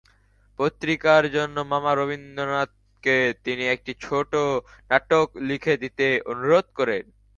পত্রিকার জন্য মামা রবীন্দ্রনাথকে তিনি একটি ছোট নাটক লিখে দিতে অনুরোধ করেন।